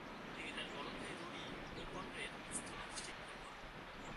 তিনি তার বড় ভাই রোরি ও'কনরের স্থলাভিষিক্ত হন।